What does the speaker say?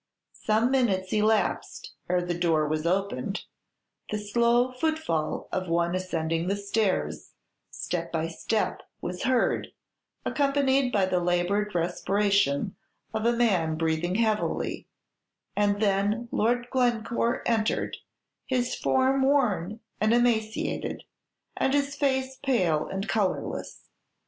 Some minutes elapsed ere the door was opened; the slow footfall of one ascending the stairs, step by step, was heard, accompanied by the labored respiration of a man breathing heavily; and then Lord Glencore entered, his form worn and emaciated, and his face pale and colorless.